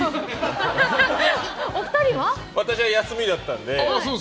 私は休みだったんで。